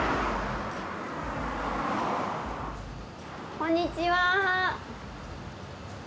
こんにちは。